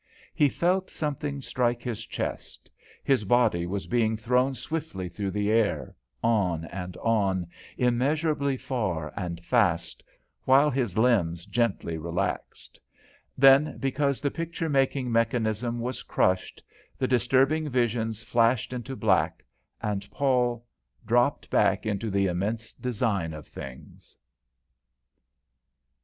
He felt something strike his chest, his body was being thrown swiftly through the air, on and on, immeasurably far and fast, while his limbs gently relaxed. Then, because the picture making mechanism was crushed, the disturbing visions flashed into black, and Paul dropped back into the immense design of things.